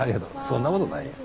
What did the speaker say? そんなことないよ。